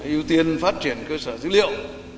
ưu tiên phát triển cơ sở dữ liệu